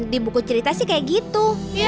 di buku cerita sih kayak gitu